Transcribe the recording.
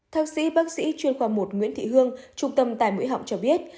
thác sĩ bác sĩ chuyên khoa một nguyễn thị hương trung tâm tai mũi họng cho biết